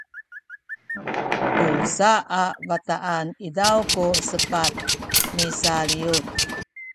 tusa a bataan izaw ku sepat misaliyut